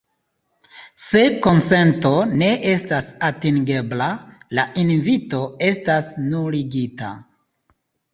Se konsento ne estas atingebla, la invito estas nuligita.